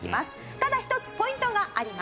ただ一つポイントがあります。